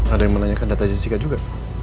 ada yang menanyakan data jessica juga